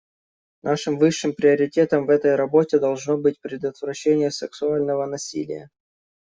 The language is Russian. Нашим высшим приоритетом в этой работе должно быть предотвращение сексуального насилия.